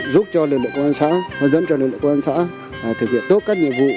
giúp cho lực lượng công an xã hướng dẫn cho lực lượng công an xã thực hiện tốt các nhiệm vụ